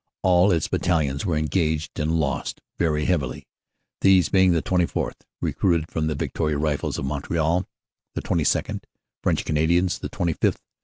All its battalions were engaged and lost very heavily, these being the 24th., recruited from the Victoria Rifles of Montreal, the 22nd., French Canadians, the 25th.